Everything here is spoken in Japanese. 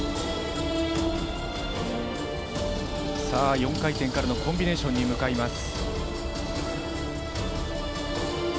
さあ、４回転からのコンビネーションに向かいます。